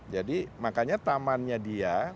jadi makanya tamannya dia